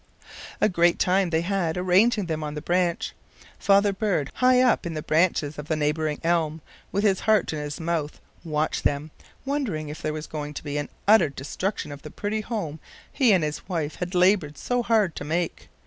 A great time they had arranging them on the branch. Father bird, high up in the branches of the neighboring elm, with his heart in his mouth, watched them, wondering if there was to be an utter destruction of the pretty home he and his wife had labored so hard to make.